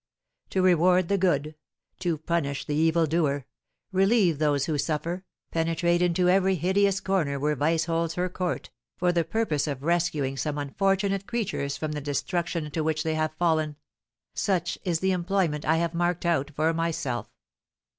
To reward the good, to punish the evil doer, relieve those who suffer, penetrate into every hideous corner where vice holds her court, for the purpose of rescuing some unfortunate creatures from the destruction into which they have fallen, such is the employment I have marked out for myself."